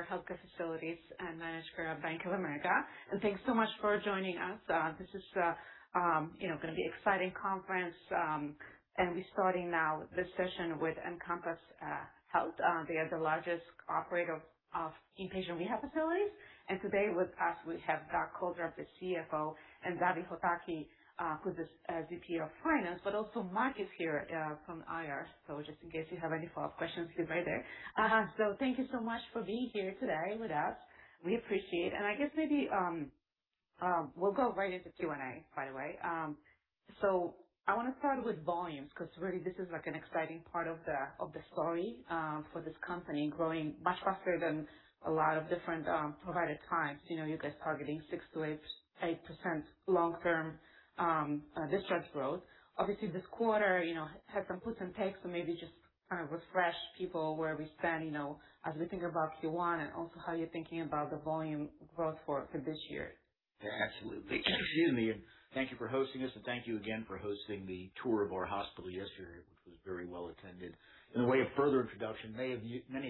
Okay. I cover healthcare facilities and manage for Bank of America. Thanks so much for joining us. This is, you know, gonna be exciting conference, and we're starting now this session with Encompass Health. They are the largest operator of inpatient rehab facilities. Today with us we have Doug Coltharp, the CFO, and Zabi Hotaki, who's the VP of Finance, but also Mark is here from IR. Just in case you have any follow-up questions, he's right there. Thank you so much for being here today with us. We appreciate. I guess maybe we'll go right into Q&A, by the way. I wanna start with volumes, because really this is like an exciting part of the story, for this company growing much faster than a lot of different provider types. You know, you guys targeting 6%-8% long-term discharge growth. Obviously, this quarter, you know, had some puts and takes, so maybe just kind of refresh people where we stand, you know, as we think about Q1 and also how you're thinking about the volume growth for this year. Absolutely. Excuse me. Thank you for hosting us, and thank you again for hosting the tour of our hospital yesterday. It was very well attended. In the way of further introduction, many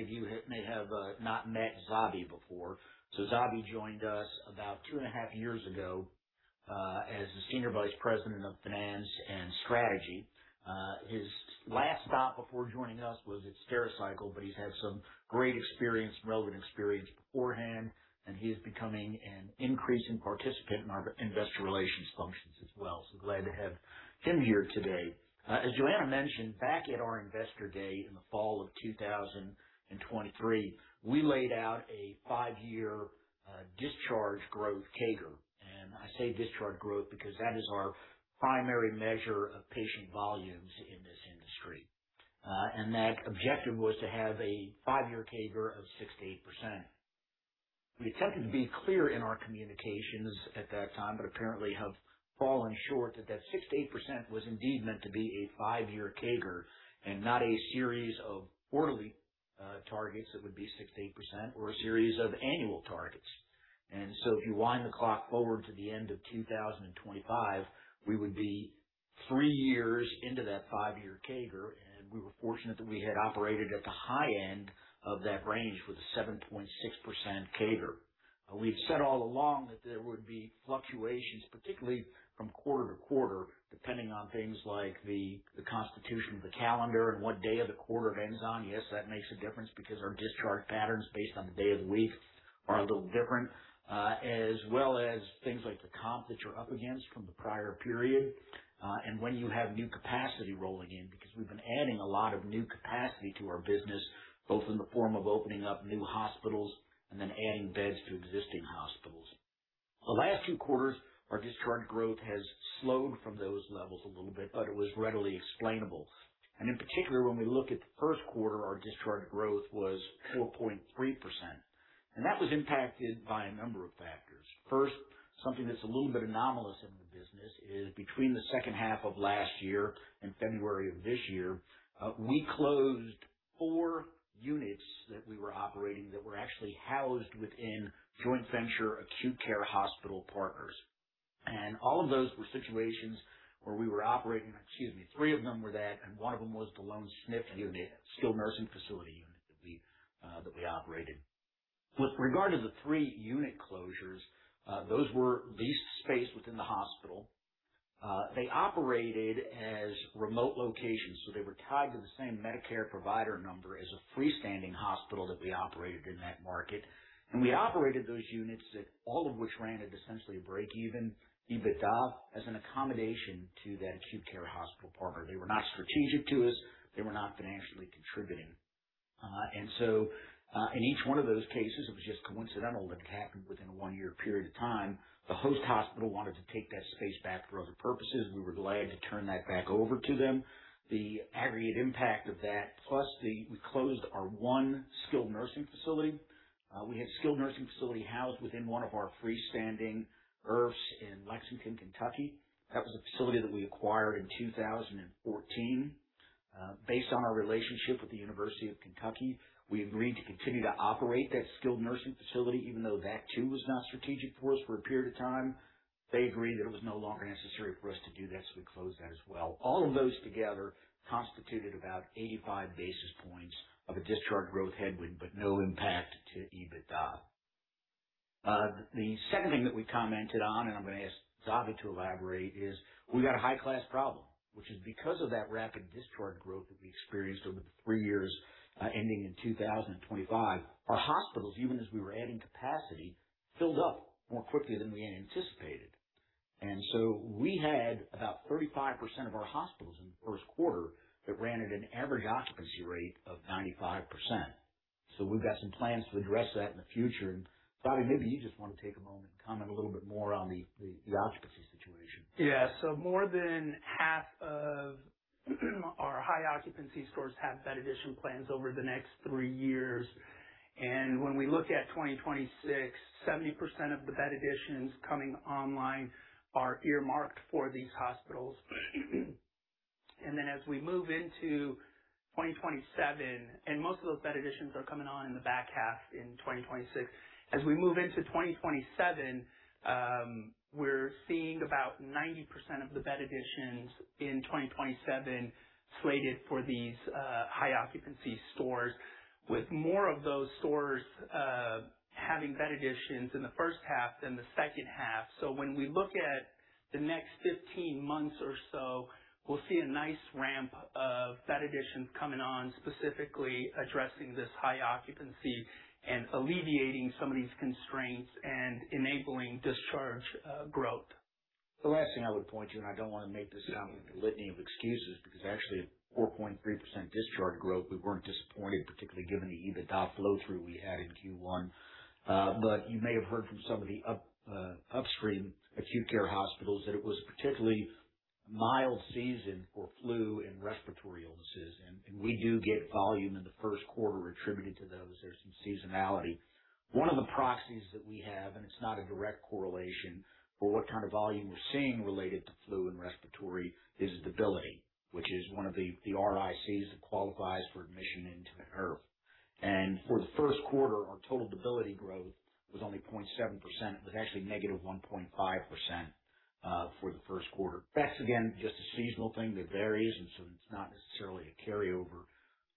of you may have not met Zabi before. Zabi joined us about 2.5 years ago as the Senior Vice President of Finance and Strategy. His last stop before joining us was at Stericycle, but he's had some great experience and relevant experience beforehand, and he is becoming an increasing participant in our Investor Relations functions as well. Glad to have him here today. As Joanna mentioned, back at our Investor Day in the fall of 2023, we laid out a five-year discharge growth CAGR. I say discharge growth because that is our primary measure of patient volumes in this industry. That objective was to have a five-year CAGR of 6%-8%. We attempted to be clear in our communications at that time, but apparently have fallen short that that 6%-8% was indeed meant to be a five-year CAGR and not a series of quarterly targets that would be 6%-8% or a series of annual targets. If you wind the clock forward to the end of 2025, we would be three years into that five-year CAGR, and we were fortunate that we had operated at the high end of that range with a 7.6% CAGR. We've said all along that there would be fluctuations, particularly from quarter-to-quarter, depending on things like the constitution of the calendar and what day of the quarter it ends on. Yes, that makes a difference because our discharge patterns based on the day of the week are a little different. As well as things like the comp that you're up against from the prior period, and when you have new capacity rolling in, because we've been adding a lot of new capacity to our business, both in the form of opening up new hospitals and then adding beds to existing hospitals. The last few quarters, our discharge growth has slowed from those levels a little bit, but it was readily explainable. In particular, when we look at the first quarter, our discharge growth was 4.3%, and that was impacted by a number of factors. First, something that's a little bit anomalous in the business is between the second half of last year and February of this year, we closed four units that we were operating that were actually housed within joint venture acute care hospital partners. All of those were situations where we were operating, three of them were that, and one of them was the lone SNF unit, skilled nursing facility unit that we operated. With regard to the three unit closures, those were leased space within the hospital. They operated as remote locations, so they were tied to the same Medicare provider number as a freestanding hospital that we operated in that market. We operated those units that all of which ran at essentially a break-even EBITDA as an accommodation to that acute care hospital partner. They were not strategic to us. They were not financially contributing. In each one of those cases, it was just coincidental that it happened within a one-year period of time. The host hospital wanted to take that space back for other purposes. We were glad to turn that back over to them. The aggregate impact of that, plus we closed our one skilled nursing facility. We had skilled nursing facility housed within one of our freestanding IRFs in Lexington, Kentucky. That was a facility that we acquired in 2014. Based on our relationship with the University of Kentucky, we agreed to continue to operate that skilled nursing facility, even though that too was not strategic for us for a period of time. They agreed that it was no longer necessary for us to do that, so we closed that as well. All of those together constituted about 85 basis points of a discharge growth headwind, but no impact to EBITDA. The second thing that we commented on, and I'm gonna ask Zabi to elaborate, is we got a high-class problem, which is because of that rapid discharge growth that we experienced over the three years, ending in 2025, our hospitals, even as we were adding capacity, filled up more quickly than we had anticipated. We had about 35% of our hospitals in the first quarter that ran at an average occupancy rate of 95%. We've got some plans to address that in the future. Zabi, maybe you just wanna take a moment and comment a little bit more on the occupancy situation. More than half of our high occupancy stores have bed addition plans over the next three years. When we look at 2026, 70% of the bed additions coming online are earmarked for these hospitals. As we move into 2027, and most of those bed additions are coming on in the back half in 2026. As we move into 2027, we're seeing about 90% of the bed additions in 2027 slated for these high occupancy stores, with more of those stores having bed additions in the first half than the second half. When we look at the next 15 months or so, we'll see a nice ramp of bed additions coming on, specifically addressing this high occupancy and alleviating some of these constraints and enabling discharge growth. The last thing I would point to, I don't want to make this sound like a litany of excuses, because actually at 4.3% discharge growth, we weren't disappointed, particularly given the EBITDA flow-through we had in Q1. You may have heard from some of the upstream acute care hospitals that it was a particularly mild season for flu and respiratory illnesses. We do get volume in the first quarter attributed to those. There's some seasonality. One of the proxies that we have, it's not a direct correlation for what kind of volume we're seeing related to flu and respiratory, is debility, which is one of the RICs that qualifies for admission into the IRF. For the first quarter, our total debility growth was only 0.7%. It was actually negative 1.5% for the first quarter. That's, again, just a seasonal thing that varies, and so it's not necessarily a carryover.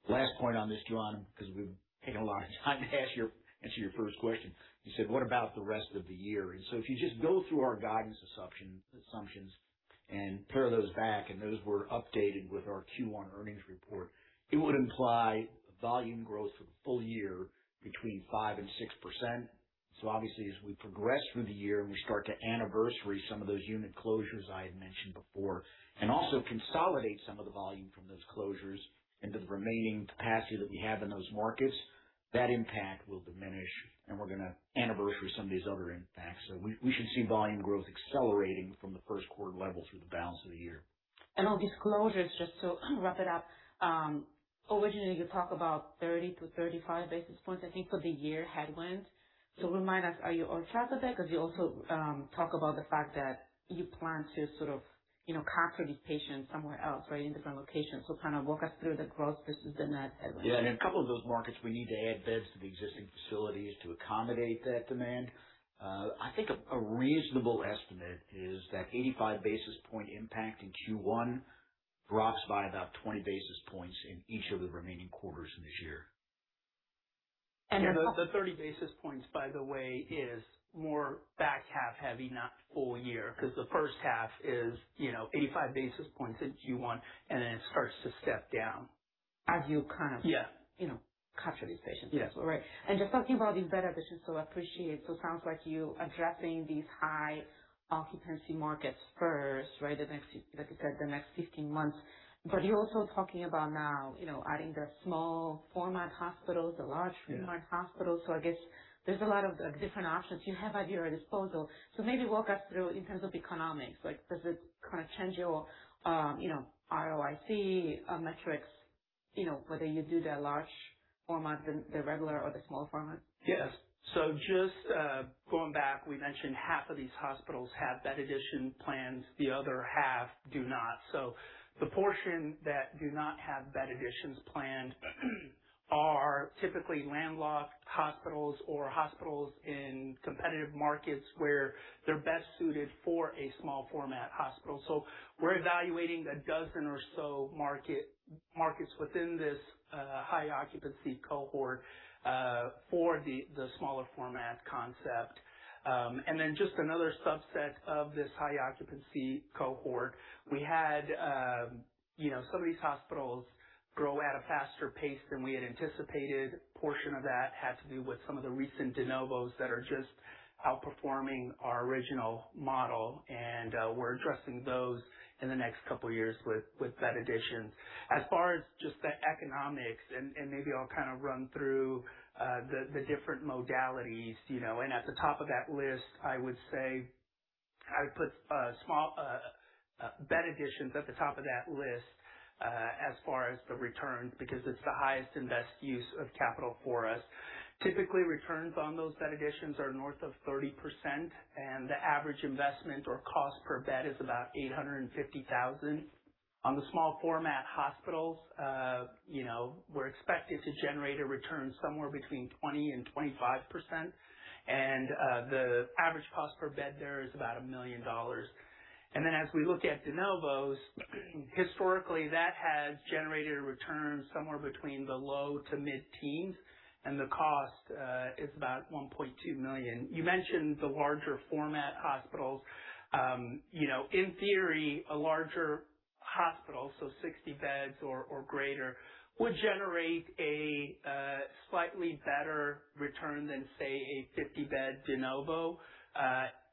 Last point on this, Joanna, because we've taken a lot of time to answer your first question. You said, "What about the rest of the year?" If you just go through our guidance assumptions and pare those back, and those were updated with our Q1 earnings report, it would imply volume growth for the full year between 5% and 6%. Obviously, as we progress through the year and we start to anniversary some of those unit closures I had mentioned before, and also consolidate some of the volume from those closures into the remaining capacity that we have in those markets, that impact will diminish, and we're gonna anniversary some of these other impacts. We should see volume growth accelerating from the first quarter level through the balance of the year. On these closures, just to wrap it up, originally you talk about 30 basis points-35 basis points, I think, for the year headwinds. Remind us, are you on track with that? You also talk about the fact that you plan to sort of, you know, capture these patients somewhere else, right, in different locations. Kind of walk us through the growth versus the net headwinds. Yeah, in a couple of those markets, we need to add beds to the existing facilities to accommodate that demand. I think a reasonable estimate is that 85 basis point impact in Q1 drops by about 20 basis points in each of the remaining quarters in this year. And then- The 30 basis points, by the way, is more back half heavy, not full year, because the first half is, you know, 85 basis points in Q1, and then it starts to step down. Have you kind of- Yeah. You know, captured these patients? Yes. All right. Just talking about these bed additions, I appreciate. Sounds like you addressing these high occupancy markets first, right? The next like you said, the next 15 months. You're also talking about now, you know, adding the small format hospitals, the large format hospitals. I guess there's a lot of different options you have at your disposal. Maybe walk us through in terms of economics. Like does it kinda change your, you know, ROIC metrics, you know, whether you do the large format, the regular or the small format? Yes. Just going back, we mentioned 1/2 of these hospitals have bed addition plans, the other 1/2 do not. The portion that do not have bed additions planned are typically landlocked hospitals or hospitals in competitive markets where they're best suited for a small format hospital. We're evaluating a dozen or so markets within this high occupancy cohort for the smaller format concept. Just another subset of this high occupancy cohort, we had, you know, some of these hospitals grow at a faster pace than we had anticipated. Portion of that had to do with some of the recent de novos that are just outperforming our original model. We're addressing those in the next couple years with bed addition. As far as just the economics and maybe I'll kinda run through the different modalities, you know. At the top of that list, I would say I would put small bed additions at the top of that list as far as the returns, because it's the highest and best use of capital for us. Typically, returns on those bed additions are north of 30%, and the average investment or cost per bed is about $850,000. On the small format hospitals, you know, we're expected to generate a return somewhere between 20%-25%. The average cost per bed there is about $1 million. As we look at de novos, historically, that has generated a return somewhere between the low to mid-teens and the cost is about $1.2 million. You mentioned the larger format hospitals. You know, in theory, a larger hospital, so 60 beds or greater, would generate a slightly better return than, say, a 50-bed de novo,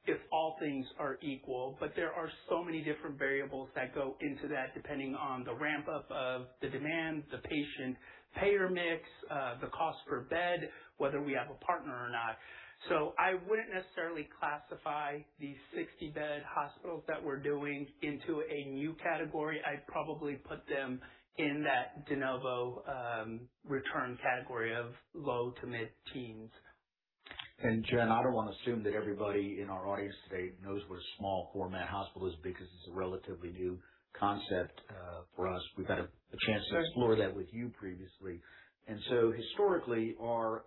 if all things are equal. There are so many different variables that go into that, depending on the ramp-up of the demand, the patient payer mix, the cost per bed, whether we have a partner or not. I wouldn't necessarily classify these 60-bed hospitals that we're doing into a new category. I'd probably put them in that de novo return category of low to mid-teens. Joanna, I don't wanna assume that everybody in our audience today knows what a small format hospital is because it's a relatively new concept for us. We've had a chance to explore that with you previously. Historically, our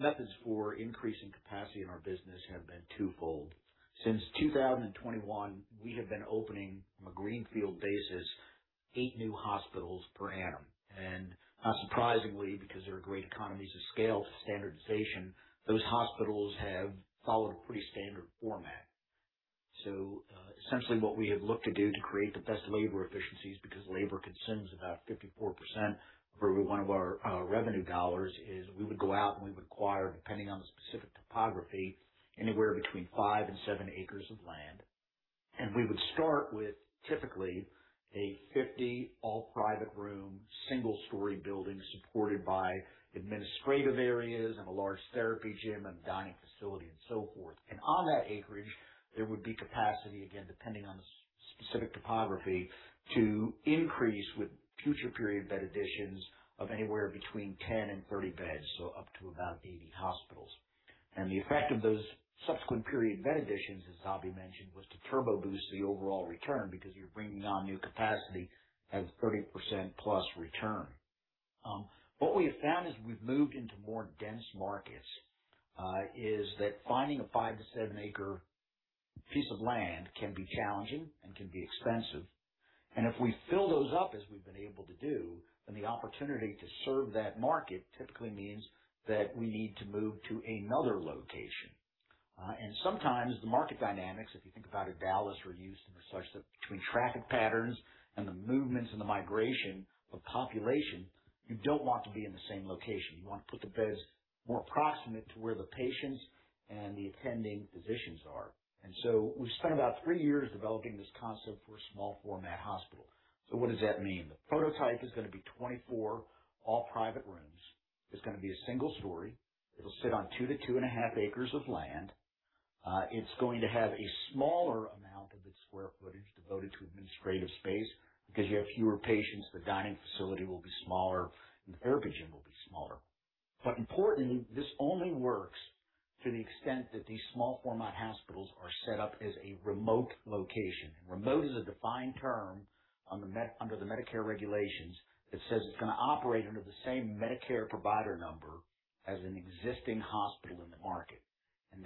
methods for increasing capacity in our business have been twofold. Since 2021, we have been opening, from a greenfield basis, eight new hospitals per annum. Not surprisingly, because there are great economies of scale for standardization, those hospitals have followed a pretty standard format. Essentially what we have looked to do to create the best labor efficiencies, because labor consumes about 54% for one of our revenue dollars, is we would go out and we would acquire, depending on the specific topography, anywhere between five and seven acres of land. We would start with typically a 50 all-private room, single-story building supported by administrative areas and a large therapy gym and a dining facility and so forth. On that acreage, there would be capacity, again, depending on the specific topography, to increase with future period bed additions of anywhere between 10 and 30 beds, so up to about 80 hospitals. The effect of those subsequent period bed additions, as Zabi mentioned, was to turbo boost the overall return because you're bringing on new capacity at 30%+ return. What we have found as we've moved into more dense markets, is that finding a 5 acre-7 acre piece of land can be challenging and can be expensive. If we fill those up as we've been able to do, then the opportunity to serve that market typically means that we need to move to another location. Sometimes the market dynamics, if you think about it, Dallas, where you sit and such, that between traffic patterns and the movements and the migration of population, you don't want to be in the same location. You want to put the beds more proximate to where the patients and the attending physicians are. We spent about three years developing this concept for a small format hospital. What does that mean? The prototype is gonna be 24 all-private rooms. It's gonna be a single story. It'll sit on 2 acres-2.5 acres of land. It's going to have a smaller amount of its square footage devoted to administrative space because you have fewer patients. The dining facility will be smaller, the therapy gym will be smaller. Importantly, this only works to the extent that these small format hospitals are set up as a remote location. Remote is a defined term under the Medicare regulations that says it's going to operate under the same Medicare provider number as an existing hospital in the market.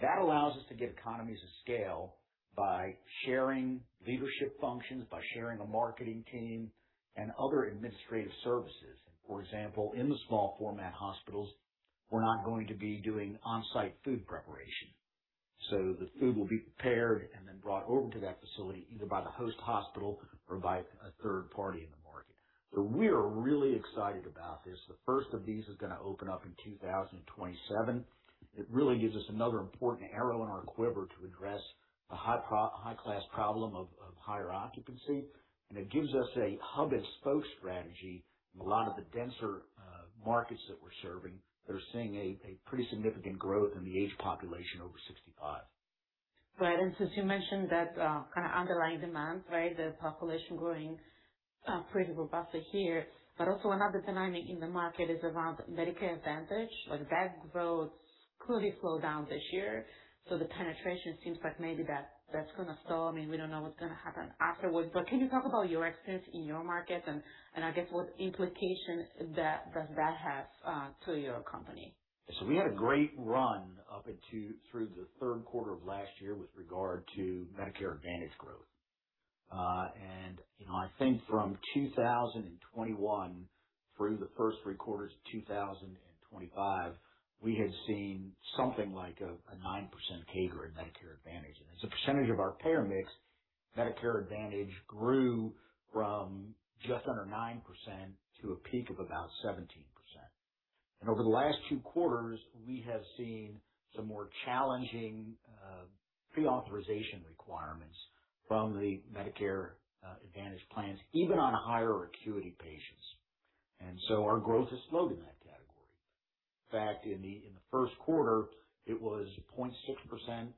That allows us to get economies of scale by sharing leadership functions, by sharing a marketing team and other administrative services. For example, in the small format hospitals, we're not going to be doing on-site food preparation. The food will be prepared and then brought over to that facility either by the host hospital or by a third party in the market. We are really excited about this. The first of these is gonna open up in 2027. It really gives us another important arrow in our quiver to address the high class problem of higher occupancy. It gives us a hub and spoke strategy in a lot of the denser markets that we're serving that are seeing a pretty significant growth in the age population over 65. Right. Since you mentioned that, kind of underlying demand, right? The population growing, pretty robustly here, but also another dynamic in the market is around Medicare Advantage. Like that growth clearly slowed down this year. The penetration seems like maybe that's gonna stall. I mean, we don't know what's gonna happen afterwards, but can you talk about your experience in your markets and I guess what implication that has to your company? We had a great run up into through the third quarter of last year with regard to Medicare Advantage growth. You know, I think from 2021 through the first three quarters of 2025, we had seen something like a 9% CAGR in Medicare Advantage. As a percentage of our payer mix, Medicare Advantage grew from just under 9% to a peak of about 17%. Over the last two quarters, we have seen some more challenging pre-authorization requirements from the Medicare Advantage plans, even on higher acuity patients. Our growth has slowed in that category. In fact, in the first quarter, it was 0.6% in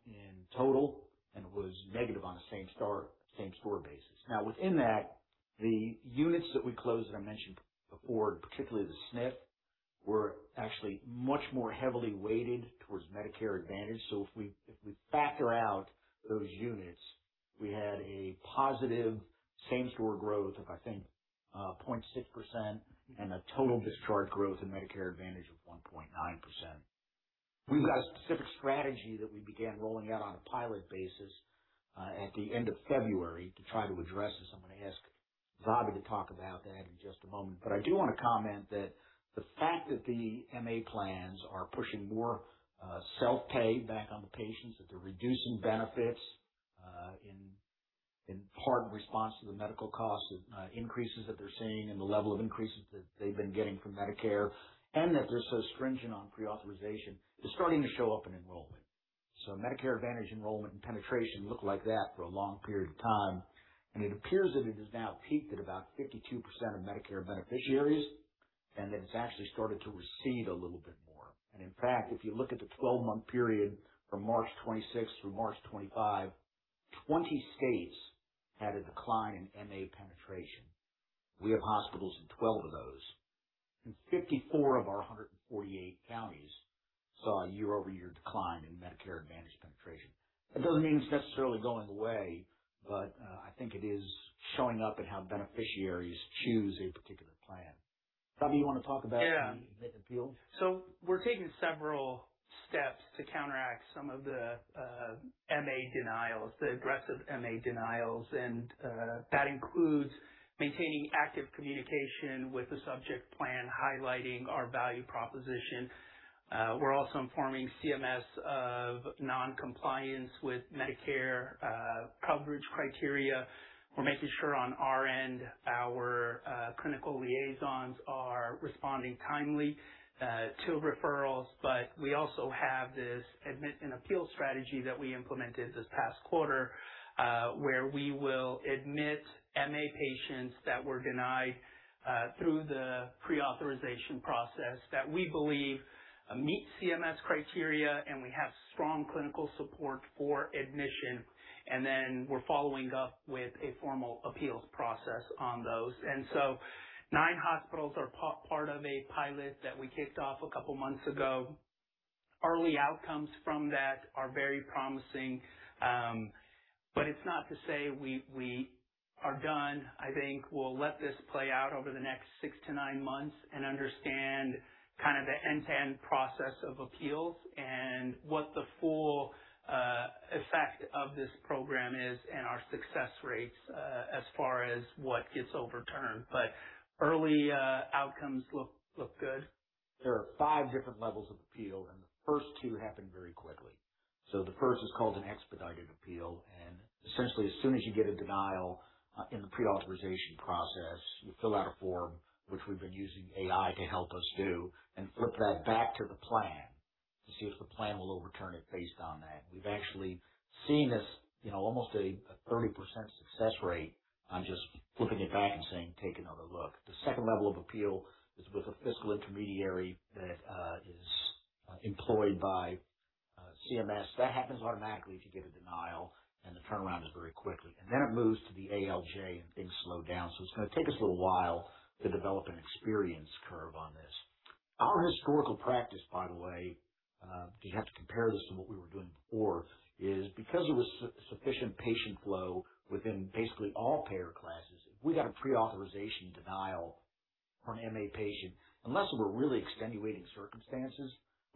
total, and it was negative on a same store basis. Within that, the units that we closed that I mentioned before, particularly the SNF, were actually much more heavily weighted towards Medicare Advantage. If we factor out those units, we had a positive same store growth of, I think, 0.6% and a total discharge growth in Medicare Advantage of 1.9%. We've got a specific strategy that we began rolling out on a pilot basis at the end of February to try to address this. I'm gonna ask Zabi to talk about that in just a moment. I do wanna comment that the fact that the MA plans are pushing more self-pay back on the patients, that they're reducing benefits in part in response to the medical cost increases that they're seeing and the level of increases that they've been getting from Medicare, and that they're so stringent on pre-authorization is starting to show up in enrollment. Medicare Advantage enrollment and penetration looked like that for a long period of time, and it appears that it has now peaked at about 52% of Medicare beneficiaries and that it's actually started to recede a little bit more. In fact, if you look at the 12-month period from March 26 through March 25, 20 states had a decline in MA penetration. We have hospitals in 12 of those, and 54 of our 148 counties saw a year-over-year decline in Medicare Advantage penetration. That doesn't mean it's necessarily going away, but I think it is showing up in how beneficiaries choose a particular plan. Zabi, you wanna talk about- Yeah. The admit appeal? We're taking several steps to counteract some of the MA denials, the aggressive MA denials. That includes maintaining active communication with the subject plan, highlighting our value proposition. We're also informing CMS of non-compliance with Medicare coverage criteria. We're making sure on our end our clinical liaisons are responding timely to referrals, but we also have this admit and appeal strategy that we implemented this past quarter, where we will admit MA patients that were denied through the pre-authorization process that we believe meet CMS criteria, and we have strong clinical support for admission. We're following up with a formal appeals process on those. Nine hospitals are part of a pilot that we kicked off a couple months ago. Early outcomes from that are very promising. It's not to say we are done. I think we'll let this play out over the next six to nine months and understand kind of the end-to-end process of appeals and what the full effect of this program is and our success rates as far as what gets overturned. Early outcomes look good. There are five different levels of appeal, and the first two happen very quickly. The first is called an expedited appeal, and essentially, as soon as you get a denial in the pre-authorization process, you fill out a form, which we've been using AI to help us do, and flip that back to the plan to see if the plan will overturn it based on that. We've actually seen this, you know, almost a 30% success rate on just flipping it back and saying, "Take another look." The second level of appeal is with a fiscal intermediary that is employed by CMS. That happens automatically if you get a denial, and the turnaround is very quickly. Then it moves to the ALJ, and things slow down. It's gonna take us a little while to develop an experience curve on this. Our historical practice, by the way, if you have to compare this to what we were doing before, is because of the sufficient patient flow within basically all payer classes, if we got a pre-authorization denial from an MA patient, unless there were really extenuating circumstances,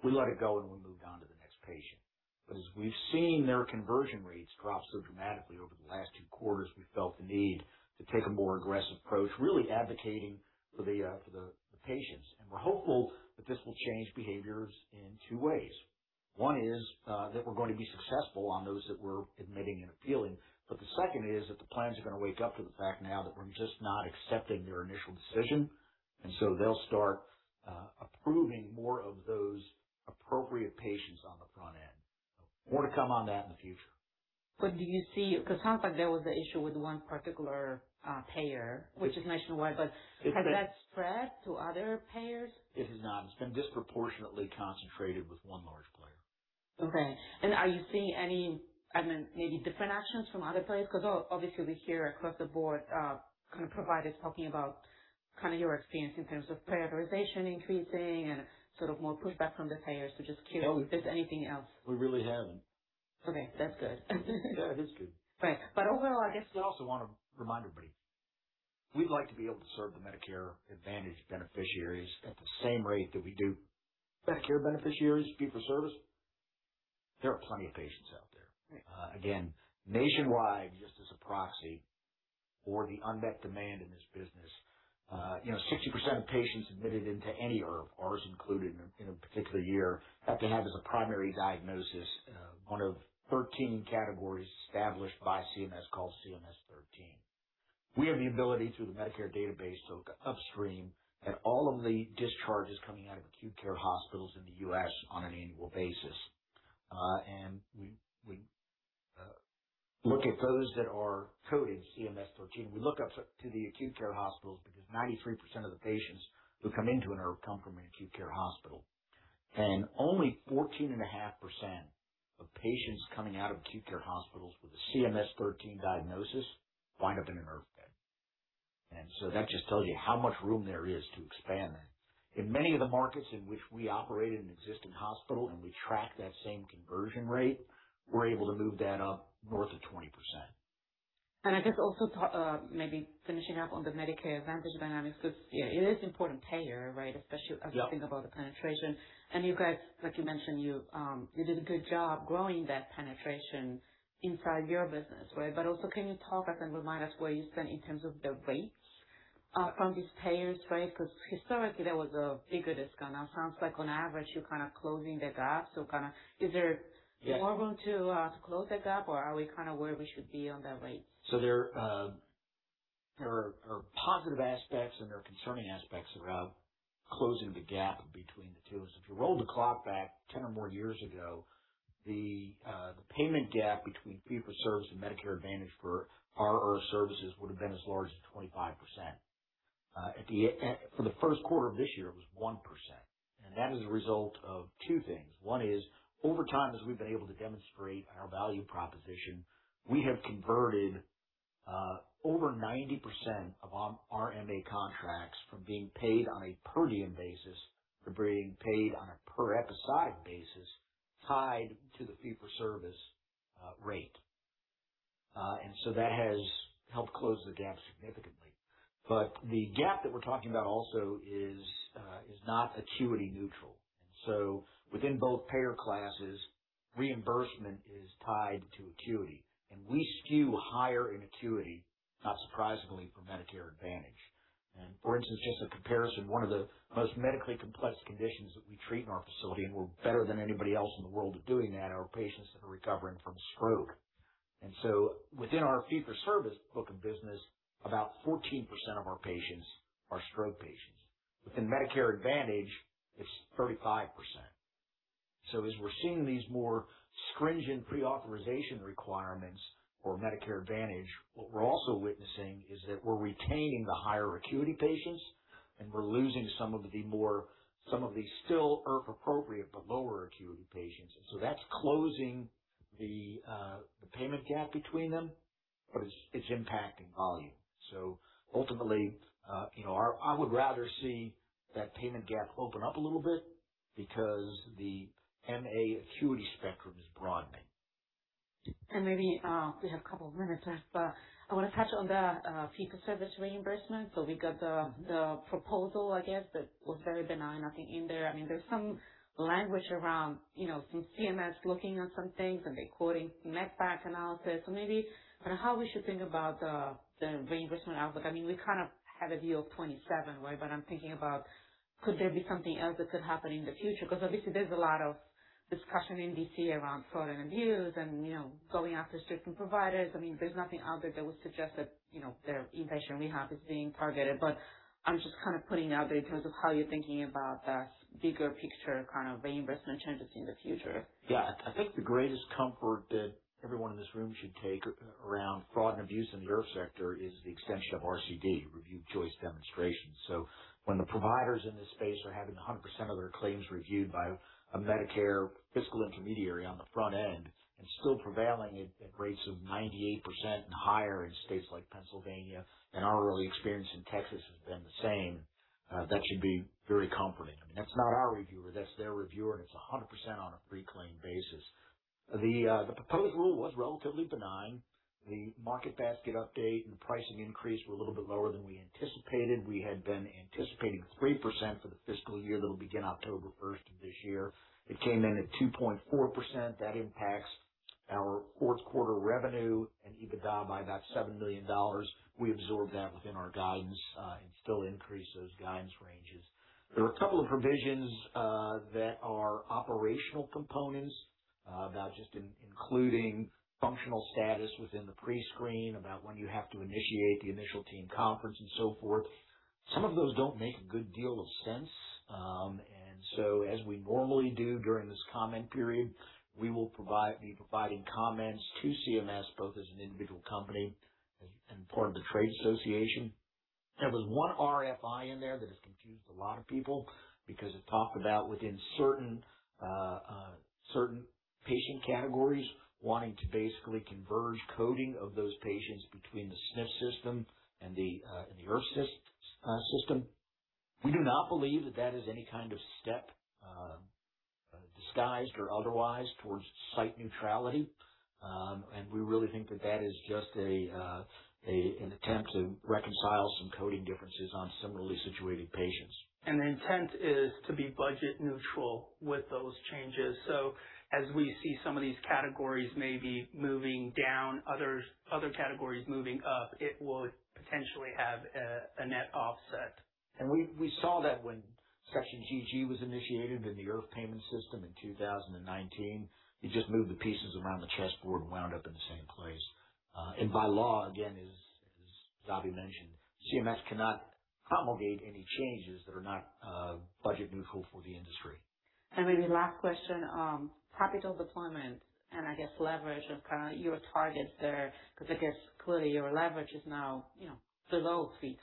we let it go, and we moved on to the next patient. As we've seen their conversion rates drop so dramatically over the last two quarters, we felt the need to take a more aggressive approach, really advocating for the patients. We're hopeful that this will change behaviors in two ways. One is that we're going to be successful on those that we're admitting and appealing. The second is that the plans are gonna wake up to the fact now that we're just not accepting their initial decision. They'll start approving more of those appropriate patients on the front end. More to come on that in the future. Do you see 'Cause it sounds like there was an issue with one particular payer, which is nationwide, but has that spread to other payers? It has not. It's been disproportionately concentrated with one large player. Okay. Are you seeing any, I mean, maybe different actions from other payers? 'Cause obviously we hear across the board, kind of providers talking about kinda your experience in terms of pre-authorization increasing and sort of more pushback from the payers. Just curious- No. If there's anything else. We really haven't. Okay, that's good. Yeah, it is good. Right. overall, I guess. We also want to remind everybody, we'd like to be able to serve the Medicare Advantage beneficiaries at the same rate that we do Medicare beneficiaries, fee for service. There are plenty of patients out there. Right. Again, nationwide, just as a proxy for the unmet demand in this business, you know, 60% of patients admitted into any IRF, ours included, in a particular year, have to have as a primary diagnosis, one of 13 categories established by CMS called CMS 13. We have the ability through the Medicare database to look upstream at all of the discharges coming out of acute care hospitals in the U.S. on an annual basis. We look at those that are coded CMS 13. We look up to the acute care hospitals because 93% of the patients who come into an IRF come from an acute care hospital. Only 14.5% of patients coming out of acute care hospitals with a CMS 13 diagnosis wind up in an IRF bed. That just tells you how much room there is to expand there. In many of the markets in which we operate in an existing hospital, and we track that same conversion rate, we're able to move that up north of 20%. I guess also maybe finishing up on the Medicare Advantage dynamics, 'cause, you know, it is important payer, right? Yep. As we think about the penetration. You guys, like you mentioned, you did a good job growing that penetration inside your business, right? Also, can you talk us and remind us where you stand in terms of the rates from these payers, right? Because historically, there was a bigger discount. Now it sounds like on average you're kinda closing the gap, so kinda- Yeah. More room to to close that gap, or are we kinda where we should be on that rate? There are positive aspects and there are concerning aspects about closing the gap between the two. If you roll the clock back 10 or more years ago, the payment gap between fee for service and Medicare Advantage for our IRF services would have been as large as 25%. For the first quarter of this year, it was 1%. That is a result of two things. One is over time, as we've been able to demonstrate our value proposition, we have converted over 90% of our MA contracts from being paid on a per diem basis to being paid on a per episode basis tied to the fee for service rate. That has helped close the gap significantly. The gap that we're talking about also is not acuity neutral. Within both payer classes, reimbursement is tied to acuity, and we skew higher in acuity, not surprisingly for Medicare Advantage. For instance, just a comparison, one of the most medically complex conditions that we treat in our facility, and we're better than anybody else in the world at doing that, are patients that are recovering from stroke. Within our fee for service book of business, about 14% of our patients are stroke patients. Within Medicare Advantage, it's 35%. As we're seeing these more stringent pre-authorization requirements for Medicare Advantage, what we're also witnessing is that we're retaining the higher acuity patients and we're losing some of the still IRF appropriate, but lower acuity patients. That's closing the payment gap between them, but it's impacting volume. Ultimately, you know, I would rather see that payment gap open up a little bit because the MA acuity spectrum is broadening. Maybe, we have a couple of minutes left, but I wanna touch on the fee for service reimbursement. We got the proposal, I guess, that was very benign. Nothing in there. I mean, there's some language around, you know, some CMS looking on some things, and they're quoting MedPAC analysis. Maybe kinda how we should think about the reimbursement outlook. I mean, we kind of had a view of 2027, right? I'm thinking about could there be something else that could happen in the future? 'Cause obviously there's a lot of discussion in D.C. around fraud and abuse and, you know, going after certain providers. I mean, there's nothing out there that would suggest that, you know, their inpatient rehab is being targeted, but I'm just kind of putting out there in terms of how you're thinking about the bigger picture kind of reimbursement changes in the future. I think the greatest comfort that everyone in this room should take around fraud and abuse in the IRF sector is the extension of RCD, Review Choice Demonstration. When the providers in this space are having 100% of their claims reviewed by a Medicare fiscal intermediary on the front end and still prevailing at rates of 98% and higher in states like Pennsylvania, and our early experience in Texas has been the same, that should be very comforting. I mean, that's not our reviewer, that's their reviewer, and it's 100% on a pre-claim basis. The proposed rule was relatively benign. The market basket update and the pricing increase were a little bit lower than we anticipated. We had been anticipating 3% for the fiscal year that'll begin October 1st of this year. It came in at 2.4%. That impacts our fourth quarter revenue and EBITDA by about $7 million. We absorbed that within our guidance and still increased those guidance ranges. There were a couple of provisions that are operational components about just including functional status within the pre-screen, about when you have to initiate the initial team conference and so forth. Some of those don't make a good deal of sense. As we normally do during this comment period, we will be providing comments to CMS, both as an individual company and part of the trade association. There was one RFI in there that has confused a lot of people because it talked about within certain patient categories wanting to basically converge coding of those patients between the SNF system and the IRF system. We do not believe that that is any kind of step, disguised or otherwise towards site neutrality. We really think that that is just an attempt to reconcile some coding differences on similarly situated patients. The intent is to be budget neutral with those changes. As we see some of these categories maybe moving down, other categories moving up, it will potentially have a net offset. We saw that when Section GG was initiated in the IRF payment system in 2019. You just moved the pieces around the chessboard and wound up in the same place. By law, again, as Zabi mentioned, CMS cannot promulgate any changes that are not budget neutral for the industry. Maybe last question, capital deployment and I guess leverage of kinda your targets there, because I guess clearly your leverage is now, you know, below 3x.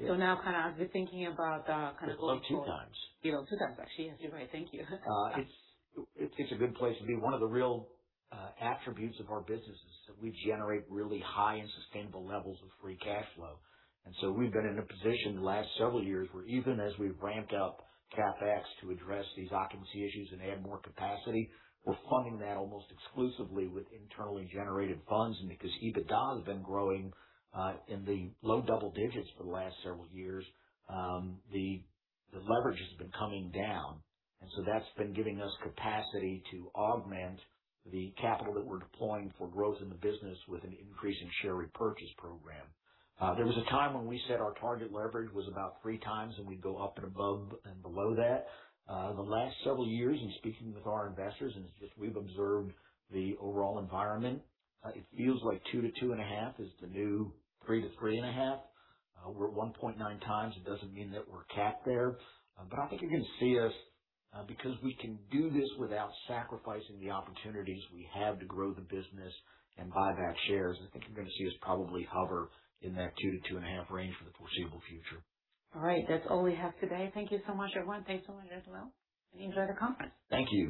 Yeah. Now kinda as we're thinking about- It's below 2x. Below 2x actually. Yes, you're right. Thank you. It's, it's a good place to be. One of the real attributes of our business is that we generate really high and sustainable levels of free cash flow. We've been in a position the last several years where even as we've ramped up CapEx to address these occupancy issues and add more capacity, we're funding that almost exclusively with internally generated funds. Because EBITDA has been growing in the low double digits for the last several years, the leverage has been coming down. That's been giving us capacity to augment the capital that we're deploying for growth in the business with an increase in share repurchase program. There was a time when we said our target leverage was about 3x, and we'd go up and above and below that. The last several years in speaking with our investors and just we've observed the overall environment, it feels like 2x-2.5x is the new 3x-3.5x. We're at 1.9x. It doesn't mean that we're capped there. I think you're gonna see us, because we can do this without sacrificing the opportunities we have to grow the business and buy back shares, I think you're gonna see us probably hover in that 2x-2.5x range for the foreseeable future. All right. That is all we have today. Thank you so much, everyone. Thanks so much as well, and enjoy the conference. Thank you.